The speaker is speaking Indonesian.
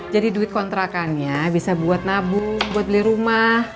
jadi duit kontrakannya bisa buat nabung buat beli rumah